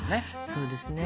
そうですね。